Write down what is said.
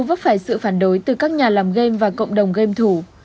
vấp phải sự phản đối từ các nhà làm game và cộng đồng game thủ